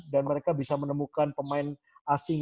dan mereka bisa menemukan pemain asing